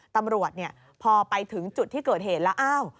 ตำรวจเนี่ยพอไปถึงจุดที่เกิดเหตุแล้ว